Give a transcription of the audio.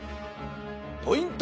ポイント